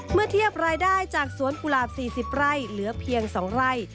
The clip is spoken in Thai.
เมื่อเทียบรายได้จากสวนกุหลาบ๔๐ไร่เหลือเพียง๒ไร่